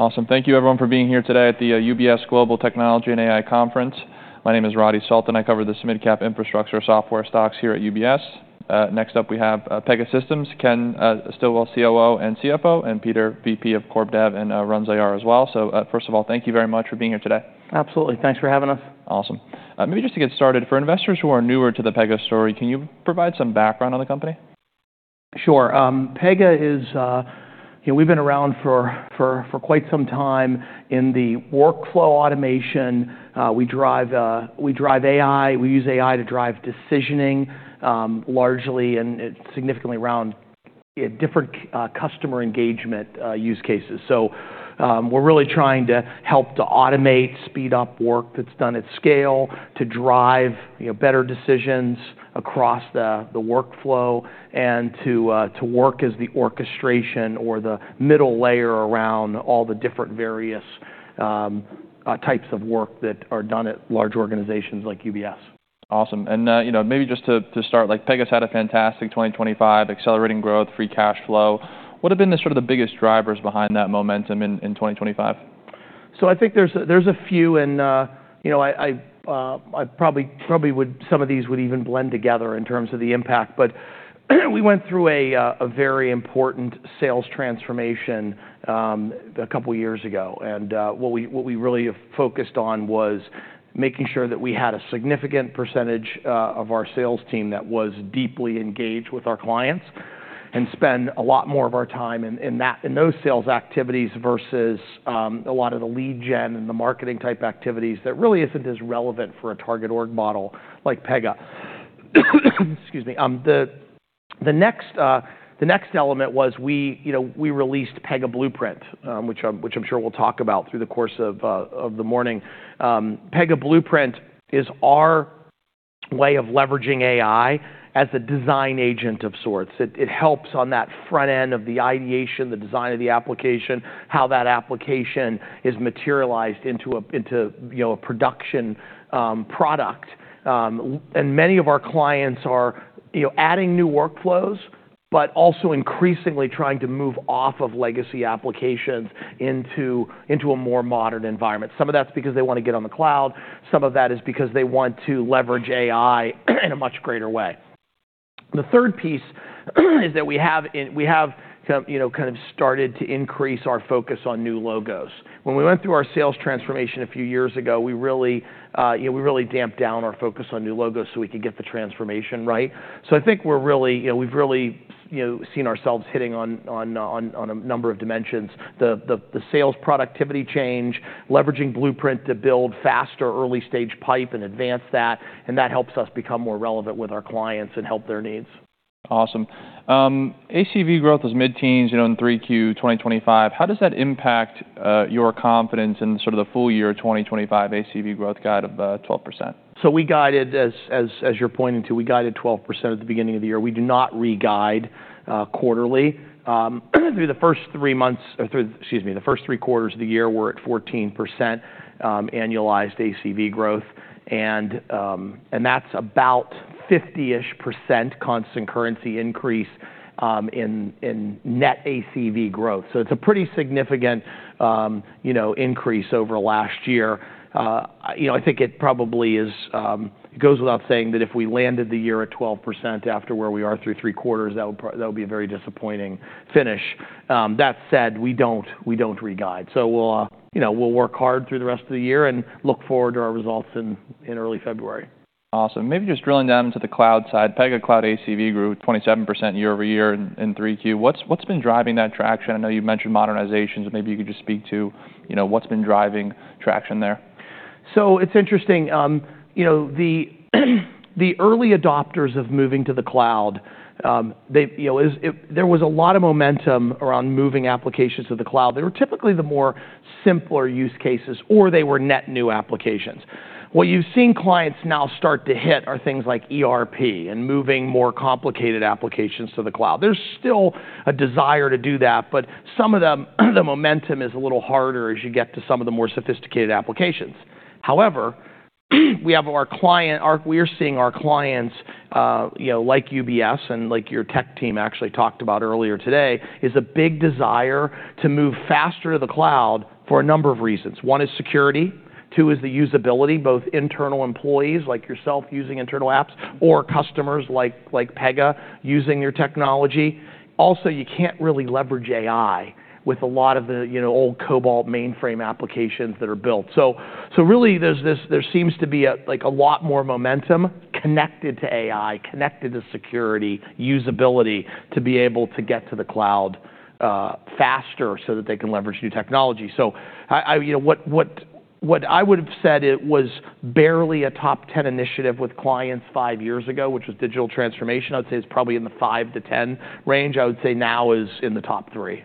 Awesome. Thank you, everyone, for being here today at the UBS Global Technology and AI Conference. My name is Radi Sultan. I cover the mid-cap infrastructure software stocks here at UBS. Next up, we have Pegasystems, Ken Stillwell, COO and CFO, and Peter VP of Corp Dev, and runs IR as well. So, first of all, thank you very much for being here today. Absolutely. Thanks for having us. Awesome. Maybe just to get started, for investors who are newer to the Pega story, can you provide some background on the company? Sure. Pega is, you know, we've been around for quite some time in the workflow automation. We drive AI. We use AI to drive decisioning largely and significantly around different customer engagement use cases. So we're really trying to help to automate, speed up work that's done at scale, to drive better decisions across the workflow, and to work as the orchestration or the middle layer around all the different various types of work that are done at large organizations like UBS. Awesome. And maybe just to start, Pega's had a fantastic 2025, accelerating growth, free cash flow. What have been the sort of biggest drivers behind that momentum in 2025? So I think there's a few, and I probably would, some of these would even blend together in terms of the impact. But we went through a very important sales transformation a couple of years ago. And what we really focused on was making sure that we had a significant percentage of our sales team that was deeply engaged with our clients and spend a lot more of our time in those sales activities versus a lot of the lead gen and the marketing type activities that really isn't as relevant for a target org model like Pega. Excuse me. The next element was we released Pega Blueprint, which I'm sure we'll talk about through the course of the morning. Pega Blueprint is our way of leveraging AI as a design agent of sorts. It helps on that front end of the ideation, the design of the application, how that application is materialized into a production product, and many of our clients are adding new workflows, but also increasingly trying to move off of legacy applications into a more modern environment. Some of that's because they want to get on the cloud. Some of that is because they want to leverage AI in a much greater way. The third piece is that we have kind of started to increase our focus on new logos. When we went through our sales transformation a few years ago, we really dampened down our focus on new logos so we could get the transformation right, so I think we've really seen ourselves hitting on a number of dimensions. The sales productivity change, leveraging Blueprint to build faster, early stage pipe and advance that. That helps us become more relevant with our clients and help their needs. Awesome. ACV growth was mid-teens in 3Q 2025. How does that impact your confidence in sort of the full year 2025 ACV growth guide of 12%? So we guided, as you're pointing to, we guided 12% at the beginning of the year. We do not re-guide quarterly. Through the first three months, excuse me, the first three quarters of the year, we're at 14% annualized ACV growth. And that's about 50-ish% constant currency increase in net ACV growth. So it's a pretty significant increase over last year. I think it probably is, it goes without saying that if we landed the year at 12% after where we are through three quarters, that would be a very disappointing finish. That said, we don't re-guide. So we'll work hard through the rest of the year and look forward to our results in early February. Awesome. Maybe just drilling down into the cloud side, Pega Cloud ACV grew 27% year-over-year in 3Q. What's been driving that traction? I know you mentioned modernizations, but maybe you could just speak to what's been driving traction there. So it's interesting. The early adopters of moving to the cloud, there was a lot of momentum around moving applications to the cloud. They were typically the more simpler use cases or they were net new applications. What you've seen clients now start to hit are things like ERP and moving more complicated applications to the cloud. There's still a desire to do that, but some of the momentum is a little harder as you get to some of the more sophisticated applications. However, we are seeing our clients, like UBS and like your tech team actually talked about earlier today, is a big desire to move faster to the cloud for a number of reasons. One is security. Two is the usability, both internal employees like yourself using internal apps or customers like Pega using your technology. Also, you can't really leverage AI with a lot of the old COBOL mainframe applications that are built. So really, there seems to be a lot more momentum connected to AI, connected to security, usability to be able to get to the cloud faster so that they can leverage new technology. So what I would have said was barely a top 10 initiative with clients five years ago, which was digital transformation. I would say is probably in the five to 10 range. I would say now is in the top three.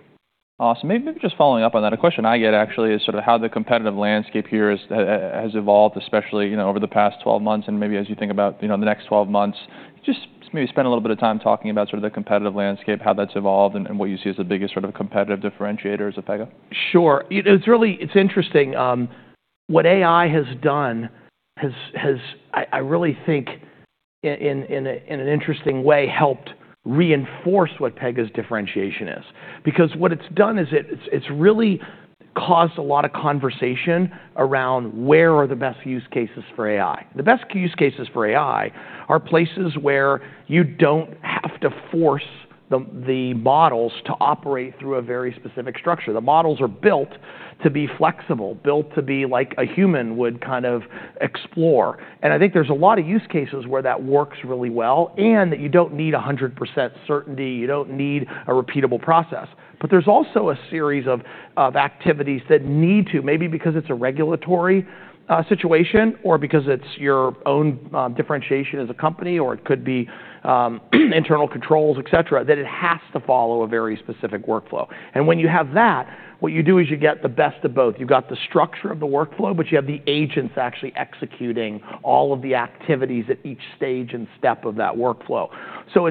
Awesome. Maybe just following up on that, a question I get actually is sort of how the competitive landscape here has evolved, especially over the past 12 months and maybe as you think about the next 12 months. Just maybe spend a little bit of time talking about sort of the competitive landscape, how that's evolved, and what you see as the biggest sort of competitive differentiator as a Pega. Sure. It's interesting. What AI has done, I really think in an interesting way helped reinforce what Pega's differentiation is. Because what it's done is it's really caused a lot of conversation around where are the best use cases for AI. The best use cases for AI are places where you don't have to force the models to operate through a very specific structure. The models are built to be flexible, built to be like a human would kind of explore. And I think there's a lot of use cases where that works really well and that you don't need 100% certainty, you don't need a repeatable process. But there's also a series of activities that need to, maybe because it's a regulatory situation or because it's your own differentiation as a company, or it could be internal controls, etc., that it has to follow a very specific workflow. And when you have that, what you do is you get the best of both. You've got the structure of the workflow, but you have the agents actually executing all of the activities at each stage and step of that workflow. So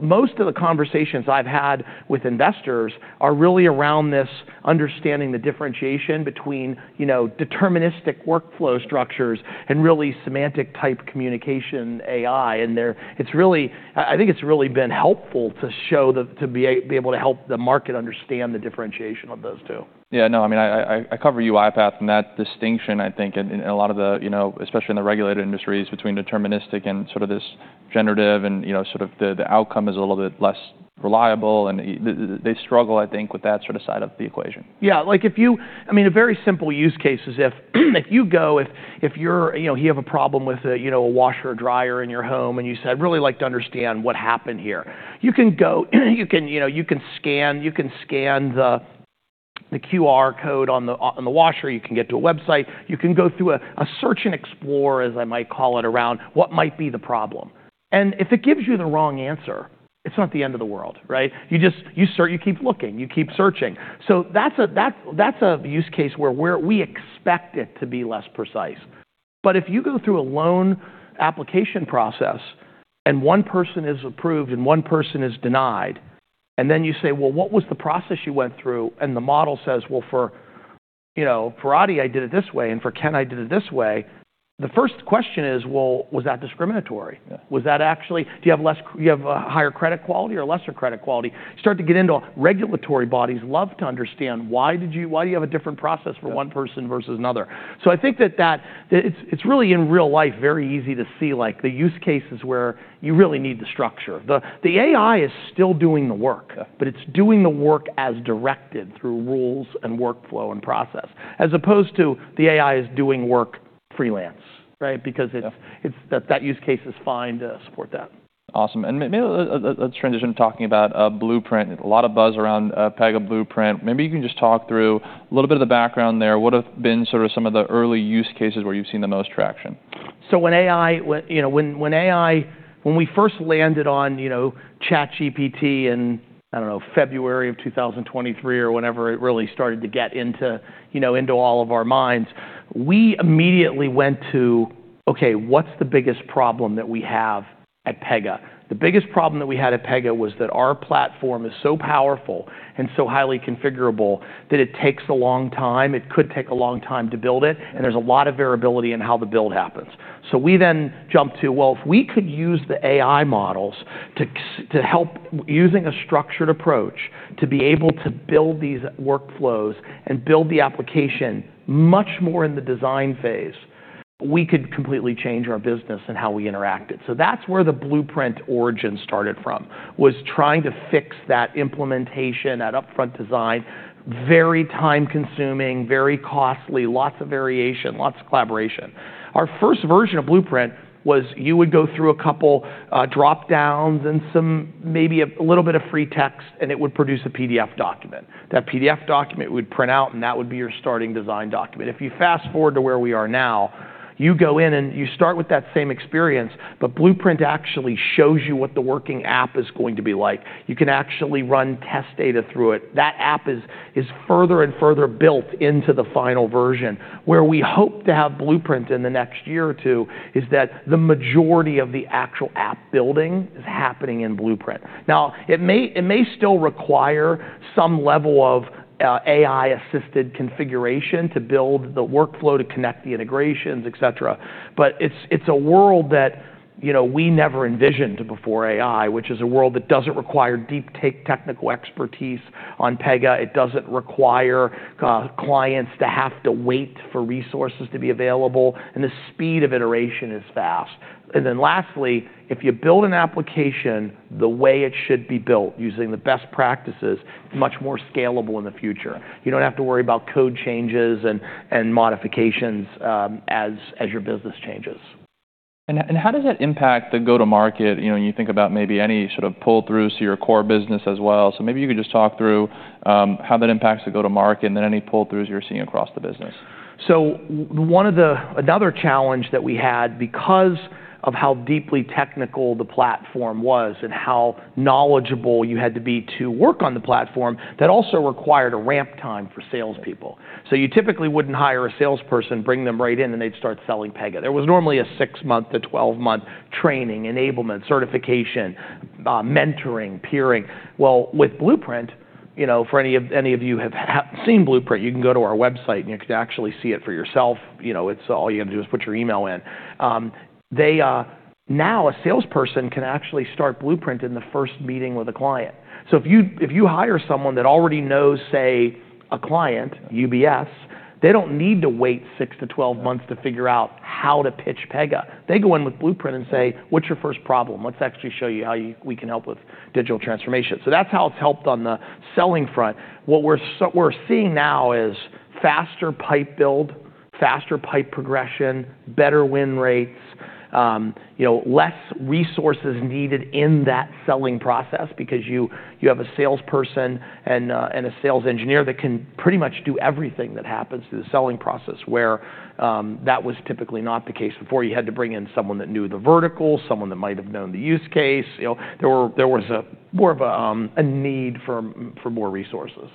most of the conversations I've had with investors are really around this, understanding the differentiation between deterministic workflow structures and really semantic-type communication AI. And I think it's really been helpful to be able to help the market understand the differentiation of those two. Yeah. No, I mean, I cover UiPath and that distinction, I think, in a lot of the, especially in the regulated industries, between deterministic and sort of this generative and sort of the outcome is a little bit less reliable. And they struggle, I think, with that sort of side of the equation. Yeah. I mean, a very simple use case is if you go, if you have a problem with a washer or dryer in your home and you said, "I'd really like to understand what happened here." You can scan the QR code on the washer, you can get to a website, you can go through a search and explore, as I might call it, around what might be the problem. And if it gives you the wrong answer, it's not the end of the world, right? You keep looking, you keep searching. So that's a use case where we expect it to be less precise. But if you go through a loan application process and one person is approved and one person is denied, and then you say, "Well, what was the process you went through?" And the model says, "Well, for Radi, I did it this way, and for Ken, I did it this way." The first question is, "Well, was that discriminatory? Was that actually, do you have a higher credit quality or lesser credit quality?" You start to get into regulatory bodies love to understand why do you have a different process for one person versus another. So I think that it's really in real life very easy to see the use cases where you really need the structure. The AI is still doing the work, but it's doing the work as directed through rules and workflow and process, as opposed to the AI is doing work freelance, right? Because that use case is fine to support that. Awesome. And maybe let's transition to talking about Blueprint. A lot of buzz around Pega Blueprint. Maybe you can just talk through a little bit of the background there. What have been sort of some of the early use cases where you've seen the most traction? So when AI, when we first landed on ChatGPT in, I don't know, February of 2023 or whenever it really started to get into all of our minds, we immediately went to, "Okay, what's the biggest problem that we have at Pega?" The biggest problem that we had at Pega was that our platform is so powerful and so highly configurable that it takes a long time. It could take a long time to build it, and there's a lot of variability in how the build happens. So we then jumped to, "Well, if we could use the AI models to help using a structured approach to be able to build these workflows and build the application much more in the design phase, we could completely change our business and how we interacted." So that's where the Blueprint origin started from, was trying to fix that implementation, that upfront design, very time-consuming, very costly, lots of variation, lots of collaboration. Our first version of Blueprint was you would go through a couple dropdowns and maybe a little bit of free text, and it would produce a PDF document. That PDF document would print out, and that would be your starting design document. If you fast forward to where we are now, you go in and you start with that same experience, but Blueprint actually shows you what the working app is going to be like. You can actually run test data through it. That app is further and further built into the final version. Where we hope to have Blueprint in the next year or two is that the majority of the actual app building is happening in Blueprint. Now, it may still require some level of AI-assisted configuration to build the workflow, to connect the integrations, etc. But it's a world that we never envisioned before AI, which is a world that doesn't require deep technical expertise on Pega. It doesn't require clients to have to wait for resources to be available, and the speed of iteration is fast. And then lastly, if you build an application the way it should be built using the best practices, it's much more scalable in the future. You don't have to worry about code changes and modifications as your business changes. And how does that impact the go-to-market? You think about maybe any sort of pull-throughs to your core business as well. So maybe you could just talk through how that impacts the go-to-market and then any pull-throughs you're seeing across the business. Another challenge that we had because of how deeply technical the platform was and how knowledgeable you had to be to work on the platform, that also required a ramp time for salespeople. You typically wouldn't hire a salesperson, bring them right in, and they'd start selling Pega. There was normally a 6-month - 12-month training, enablement, certification, mentoring, peering. With Blueprint, for any of you who have seen Blueprint, you can go to our website and you can actually see it for yourself. All you have to do is put your email in. Now a salesperson can actually start Blueprint in the first meeting with a client. If you hire someone that already knows, say, a client, UBS, they don't need to wait 6 to 12 months to figure out how to pitch Pega. They go in with Blueprint and say, "What's your first problem? Let's actually show you how we can help with digital transformation." So that's how it's helped on the selling front. What we're seeing now is faster pipe build, faster pipe progression, better win rates, less resources needed in that selling process because you have a salesperson and a sales engineer that can pretty much do everything that happens through the selling process, where that was typically not the case before. You had to bring in someone that knew the vertical, someone that might have known the use case. There was more of a need for more resources.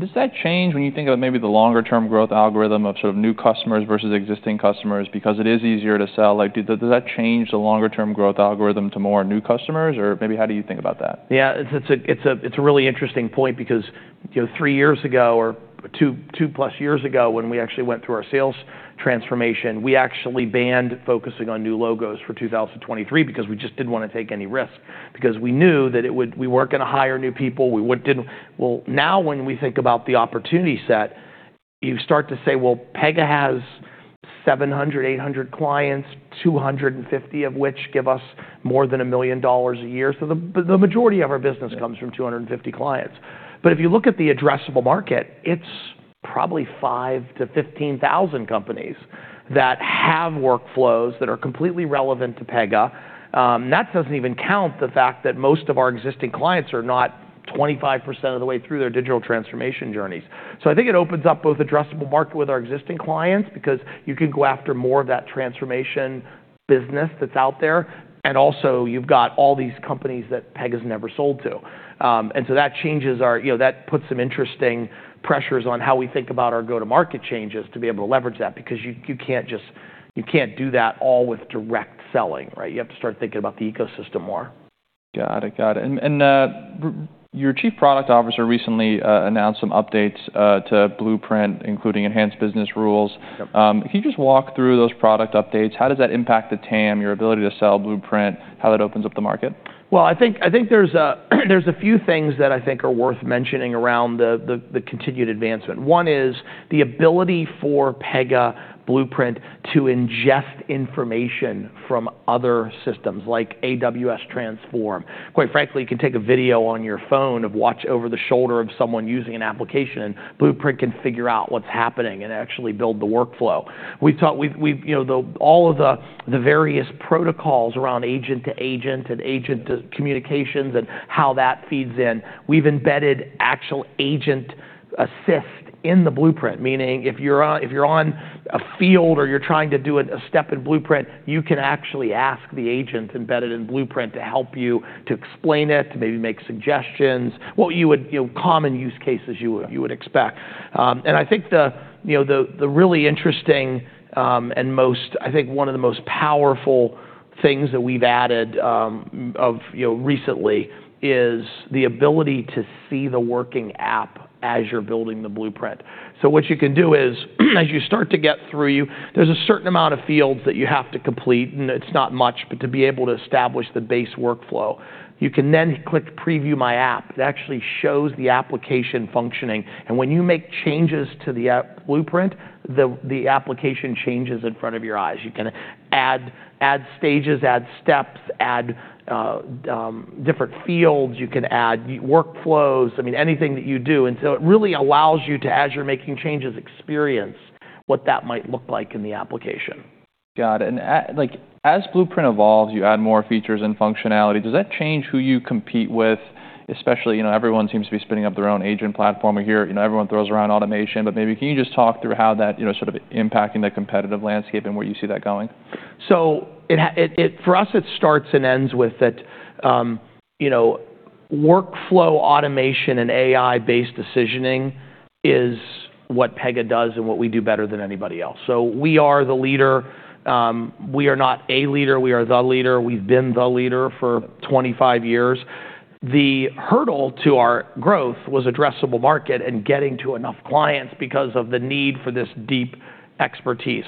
Does that change when you think about maybe the longer-term growth algorithm of sort of new customers versus existing customers? Because it is easier to sell. Does that change the longer-term growth algorithm to more new customers? Or maybe how do you think about that? Yeah. It's a really interesting point because three years ago or two plus years ago when we actually went through our sales transformation, we actually banned focusing on new logos for 2023 because we just didn't want to take any risk because we knew that we weren't going to hire new people. Well, now when we think about the opportunity set, you start to say, "Well, Pega has 700-800 clients, 250 of which give us more than $1 million a year." So the majority of our business comes from 250 clients. But if you look at the addressable market, it's probably 5,000-15,000 companies that have workflows that are completely relevant to Pega. That doesn't even count the fact that most of our existing clients are not 25% of the way through their digital transformation journeys. So I think it opens up both addressable market with our existing clients because you can go after more of that transformation business that's out there. And also you've got all these companies that Pega has never sold to. And so that changes our, that puts some interesting pressures on how we think about our go-to-market changes to be able to leverage that because you can't do that all with direct selling, right? You have to start thinking about the ecosystem more. Got it. Got it. And your Chief Product Officer recently announced some updates to Blueprint, including enhanced business rules. Can you just walk through those product updates? How does that impact the TAM, your ability to sell Blueprint, how that opens up the market? I think there's a few things that I think are worth mentioning around the continued advancement. One is the ability for Pega Blueprint to ingest information from other systems like AWS Transform. Quite frankly, you can take a video on your phone of watching over the shoulder of someone using an application, and Blueprint can figure out what's happening and actually build the workflow. All of the various protocols around agent to agent and agent to communications and how that feeds in, we've embedded actual agent assist in the Blueprint, meaning if you're on a field or you're trying to do a step in Blueprint, you can actually ask the agent embedded in Blueprint to help you to explain it, maybe make suggestions, what common use cases you would expect. I think the really interesting and I think one of the most powerful things that we've added recently is the ability to see the working app as you're building the Blueprint. So what you can do is, as you start to get through, there's a certain amount of fields that you have to complete, and it's not much, but to be able to establish the base workflow. You can then click "Preview My App." It actually shows the application functioning. When you make changes to the app Blueprint, the application changes in front of your eyes. You can add stages, add steps, add different fields. You can add workflows, I mean, anything that you do. So it really allows you to, as you're making changes, experience what that might look like in the application. Got it. And as Blueprint evolves, you add more features and functionality. Does that change who you compete with? Especially everyone seems to be spinning up their own agent platform here. Everyone throws around automation, but maybe can you just talk through how that is sort of impacting the competitive landscape and where you see that going? So for us, it starts and ends with that workflow automation and AI-based decisioning is what Pega does and what we do better than anybody else. So we are the leader. We are not a leader. We are the leader. We've been the leader for 25 years. The hurdle to our growth was addressable market and getting to enough clients because of the need for this deep expertise.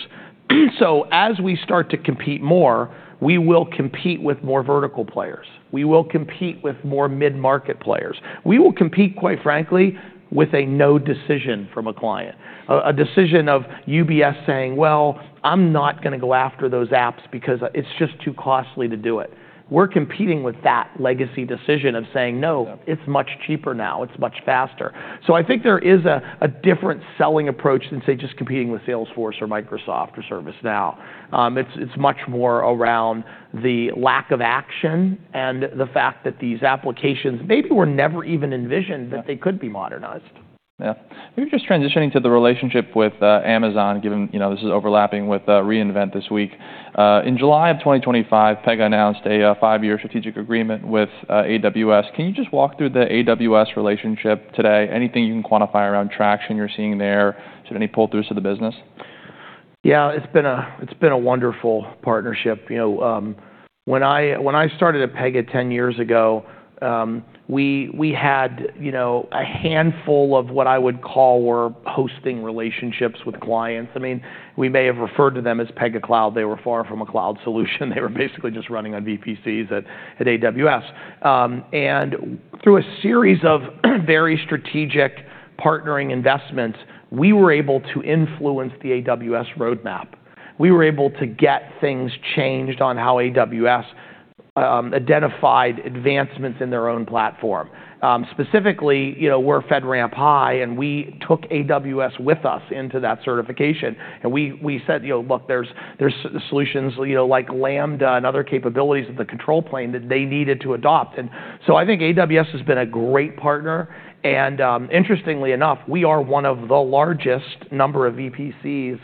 So as we start to compete more, we will compete with more vertical players. We will compete with more mid-market players. We will compete, quite frankly, with a no decision from a client, a decision of UBS saying, "Well, I'm not going to go after those apps because it's just too costly to do it." We're competing with that legacy decision of saying, "No, it's much cheaper now. It's much faster." So I think there is a different selling approach than, say, just competing with Salesforce or Microsoft or ServiceNow. It's much more around the lack of action and the fact that these applications maybe were never even envisioned that they could be modernized. Yeah. Maybe just transitioning to the relationship with Amazon, given this is overlapping with re:Invent this week. In July of 2025, Pega announced a five-year strategic agreement with AWS. Can you just walk through the AWS relationship today? Anything you can quantify around traction you're seeing there? Sort of any pull-throughs to the business? Yeah. It's been a wonderful partnership. When I started at Pega 10 years ago, we had a handful of what I would call were hosting relationships with clients. I mean, we may have referred to them as Pega Cloud. They were far from a cloud solution. They were basically just running on VPCs at AWS. And through a series of very strategic partnering investments, we were able to influence the AWS roadmap. We were able to get things changed on how AWS identified advancements in their own platform. Specifically, we're FedRAMP High, and we took AWS with us into that certification. And we said, "Look, there's solutions like Lambda and other capabilities of the control plane that they needed to adopt." And so I think AWS has been a great partner. And interestingly enough, we are one of the largest number of VPCs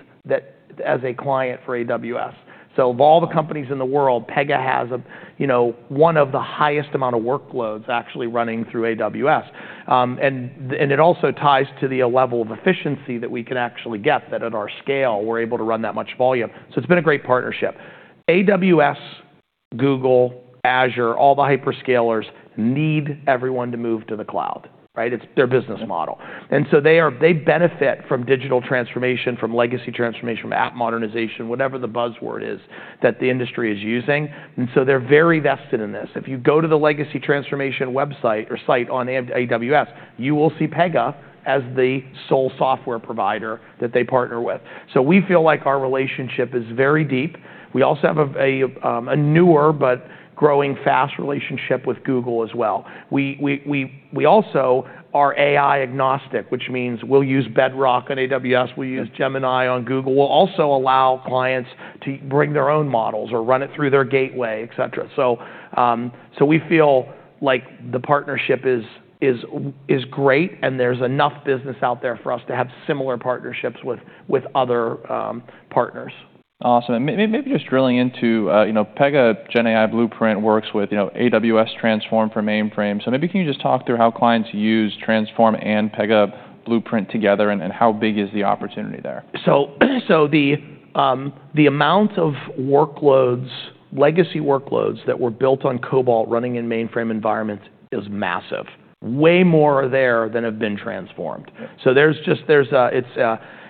as a client for AWS. So of all the companies in the world, Pega has one of the highest amount of workloads actually running through AWS. And it also ties to the level of efficiency that we can actually get that at our scale, we're able to run that much volume. So it's been a great partnership. AWS, Google, Azure, all the hyperscalers need everyone to move to the cloud, right? It's their business model. And so they benefit from digital transformation, from legacy transformation, from app modernization, whatever the buzzword is that the industry is using. And so they're very vested in this. If you go to the legacy transformation website or site on AWS, you will see Pega as the sole software provider that they partner with. So we feel like our relationship is very deep. We also have a newer but growing fast relationship with Google as well. We also are AI-agnostic, which means we'll use Bedrock on AWS. We'll use Gemini on Google. We'll also allow clients to bring their own models or run it through their gateway, etc. So we feel like the partnership is great, and there's enough business out there for us to have similar partnerships with other partners. Awesome. And maybe just drilling into Pega GenAI Blueprint works with AWS Transform for mainframe. So maybe can you just talk through how clients use Transform and Pega Blueprint together and how big is the opportunity there? So the amount of legacy workloads that were built on COBOL running in mainframe environments is massive. Way more are there than have been transformed. So there's just,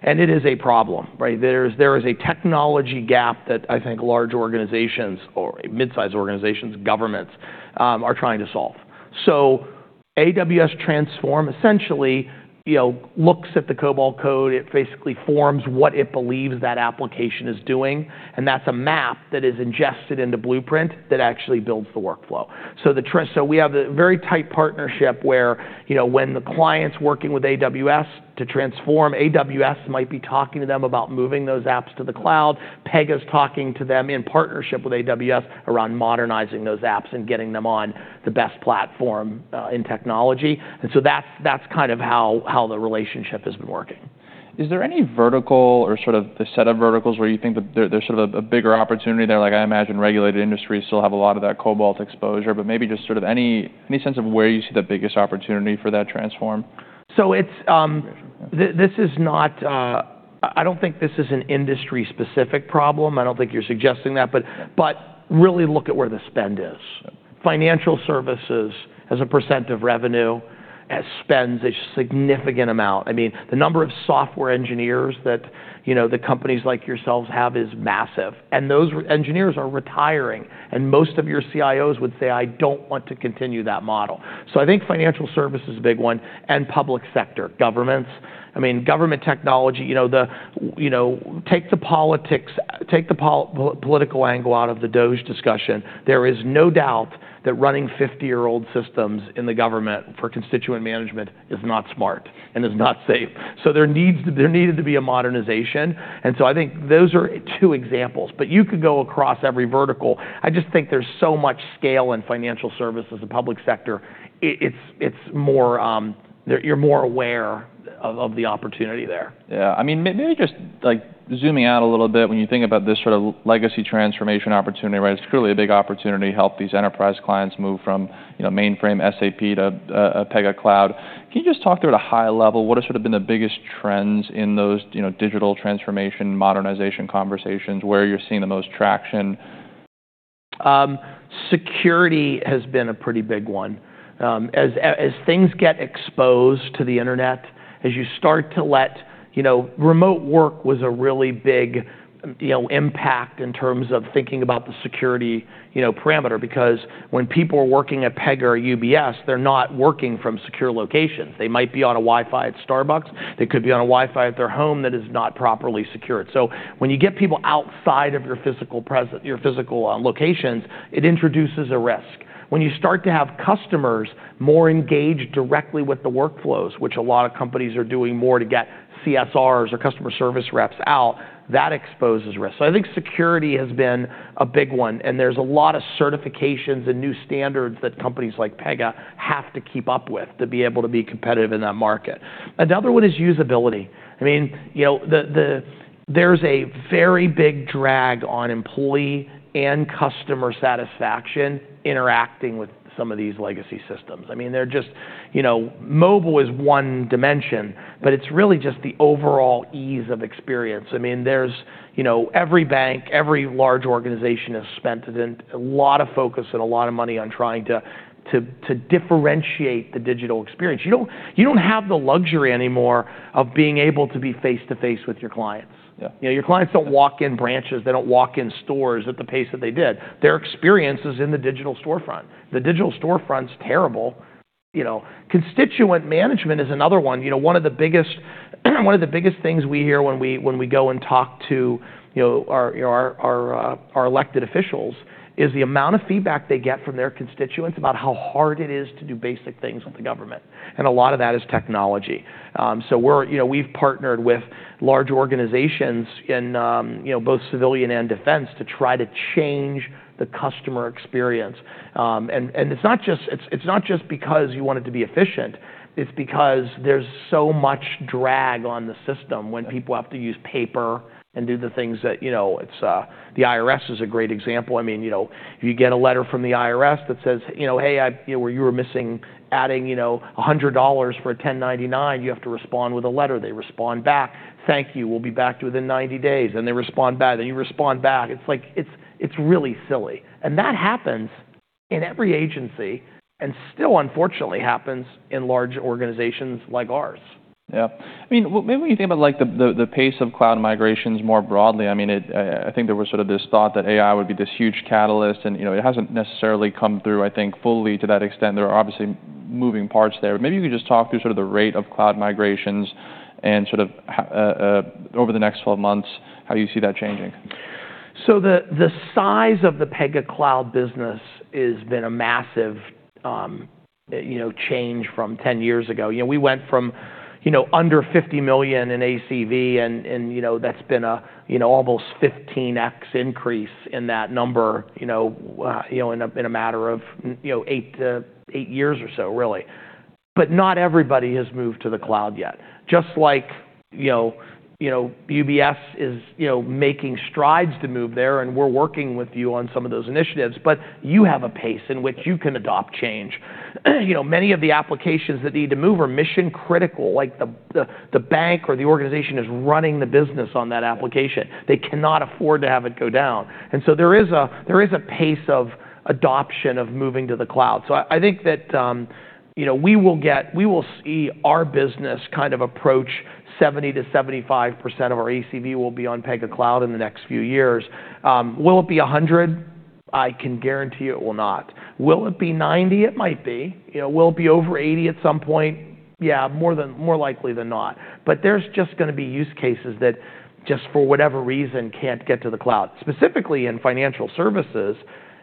and it is a problem, right? There is a technology gap that I think large organizations or mid-size organizations, governments, are trying to solve. So AWS Transform essentially looks at the COBOL code. It basically forms what it believes that application is doing. And that's a map that is ingested into Blueprint that actually builds the workflow. So we have a very tight partnership where when the client's working with AWS to transform, AWS might be talking to them about moving those apps to the cloud. Pega's talking to them in partnership with AWS around modernizing those apps and getting them on the best platform in technology. And so that's kind of how the relationship has been working. Is there any vertical or sort of the set of verticals where you think there's sort of a bigger opportunity there? Like I imagine regulated industries still have a lot of that COBOL exposure, but maybe just sort of any sense of where you see the biggest opportunity for that Transform? So this is not, I don't think this is an industry-specific problem. I don't think you're suggesting that, but really look at where the spend is. Financial services has a percent of revenue as spends a significant amount. I mean, the number of software engineers that companies like yourselves have is massive. And those engineers are retiring. And most of your CIOs would say, "I don't want to continue that model." So I think financial services is a big one and public sector, governments. I mean, government technology, take the political angle out of the DOGE discussion. There is no doubt that running 50-year-old systems in the government for constituent management is not smart and is not safe. So there needed to be a modernization. And so I think those are two examples. But you could go across every vertical. I just think there's so much scale in financial services. The public sector, you're more aware of the opportunity there. Yeah. I mean, maybe just zooming out a little bit when you think about this sort of legacy transformation opportunity, right? It's clearly a big opportunity to help these enterprise clients move from mainframe SAP to Pega Cloud. Can you just talk through at a high level, what have sort of been the biggest trends in those digital transformation modernization conversations where you're seeing the most traction? Security has been a pretty big one. As things get exposed to the internet, as you start to let remote work was a really big impact in terms of thinking about the security perimeter because when people are working at Pega or UBS, they're not working from secure locations. They might be on a Wi-Fi at Starbucks. They could be on a Wi-Fi at their home that is not properly secured. So when you get people outside of your physical locations, it introduces a risk. When you start to have customers more engaged directly with the workflows, which a lot of companies are doing more to get CSRs or customer service reps out, that exposes risk. So I think security has been a big one. And there's a lot of certifications and new standards that companies like Pega have to keep up with to be able to be competitive in that market. Another one is usability. I mean, there's a very big drag on employee and customer satisfaction interacting with some of these legacy systems. I mean, they're just, mobile is one dimension, but it's really just the overall ease of experience. I mean, every bank, every large organization has spent a lot of focus and a lot of money on trying to differentiate the digital experience. You don't have the luxury anymore of being able to be face-to-face with your clients. Your clients don't walk in branches. They don't walk in stores at the pace that they did. Their experience is in the digital storefront. The digital storefront's terrible. Constituent management is another one. One of the biggest things we hear when we go and talk to our elected officials is the amount of feedback they get from their constituents about how hard it is to do basic things with the government. And a lot of that is technology. So we've partnered with large organizations in both civilian and defense to try to change the customer experience. And it's not just because you want it to be efficient. It's because there's so much drag on the system when people have to use paper and do the things that the IRS is a great example. I mean, you get a letter from the IRS that says, "Hey, you were missing adding $100 for a 1099. You have to respond with a letter." They respond back, "Thank you. We'll be back within 90 days." And they respond back, and you respond back. It's really silly. That happens in every agency and still, unfortunately, happens in large organizations like ours. Yeah. I mean, maybe when you think about the pace of cloud migrations more broadly, I mean, I think there was sort of this thought that AI would be this huge catalyst, and it hasn't necessarily come through, I think, fully to that extent. There are obviously moving parts there. Maybe you could just talk through sort of the rate of cloud migrations and sort of over the next 12 months, how you see that changing. The size of the Pega Cloud business has been a massive change from 10 years ago. We went from under $50 million in ACV, and that's been an almost 15x increase in that number in a matter of eight years or so, really. But not everybody has moved to the cloud yet. Just like UBS is making strides to move there, and we're working with you on some of those initiatives, but you have a pace in which you can adopt change. Many of the applications that need to move are mission-critical. Like the bank or the organization is running the business on that application. They cannot afford to have it go down. And so there is a pace of adoption of moving to the cloud. So I think that we will see our business kind of approach 70%-75% of our ACV will be on Pega Cloud in the next few years. Will it be 100%? I can guarantee you it will not. Will it be 90%? It might be. Will it be over 80% at some point? Yeah, more likely than not. But there's just going to be use cases that just for whatever reason can't get to the cloud. Specifically in financial services,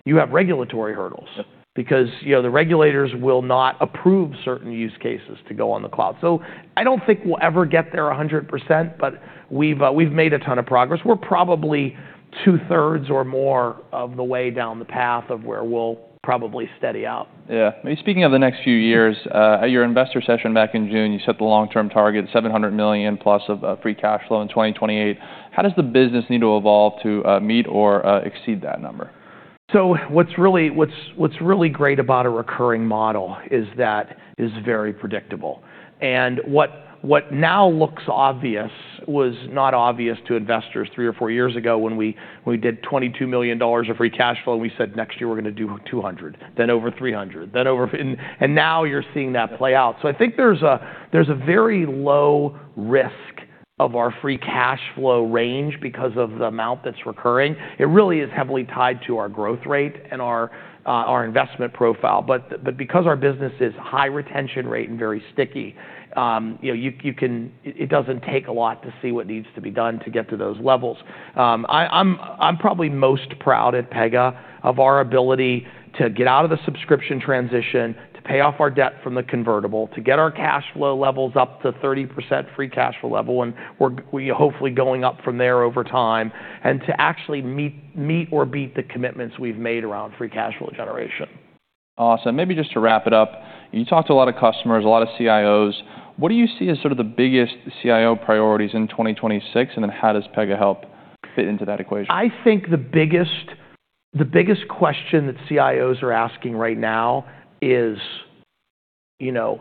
you have regulatory hurdles because the regulators will not approve certain use cases to go on the cloud. So I don't think we'll ever get there 100%, but we've made a ton of progress. We're probably two-thirds or more of the way down the path of where we'll probably steady out. Yeah. Maybe speaking of the next few years, at your investor session back in June, you set the long-term target, $700 million plus of free cash flow in 2028. How does the business need to evolve to meet or exceed that number? What's really great about a recurring model is that it is very predictable. What now looks obvious was not obvious to investors three or four years ago when we did $22 million of free cash flow and we said, "Next year we're going to do 200, then over 300." Now you're seeing that play out. I think there's a very low risk of our free cash flow range because of the amount that's recurring. It really is heavily tied to our growth rate and our investment profile. Because our business is high retention rate and very sticky, it doesn't take a lot to see what needs to be done to get to those levels. I'm probably most proud at Pega of our ability to get out of the subscription transition, to pay off our debt from the convertible, to get our cash flow levels up to 30% free cash flow level, and we're hopefully going up from there over time, and to actually meet or beat the commitments we've made around free cash flow generation. Awesome. Maybe just to wrap it up, you talked to a lot of customers, a lot of CIOs. What do you see as sort of the biggest CIO priorities in 2026? And then how does Pega help fit into that equation? I think the biggest question that CIOs are asking right now is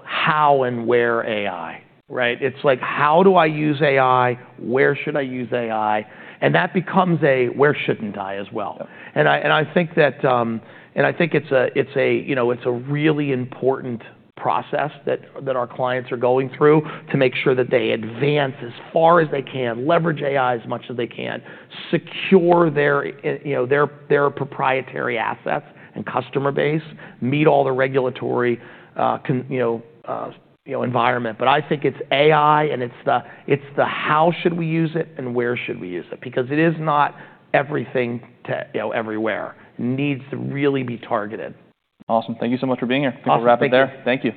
how and where AI, right? It's like, "How do I use AI? Where should I use AI?" And that becomes a, "Where shouldn't I?" as well. And I think it's a really important process that our clients are going through to make sure that they advance as far as they can, leverage AI as much as they can, secure their proprietary assets and customer base, meet all the regulatory environment. But I think it's AI and it's the, "How should we use it and where should we use it?" Because it is not everything everywhere. It needs to really be targeted. Awesome. Thank you so much for being here. Awesome. We'll wrap it there. Thank you.